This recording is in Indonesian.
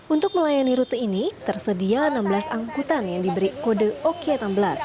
untuk melayani rute ini tersedia enam belas angkutan yang diberi kode oke enam belas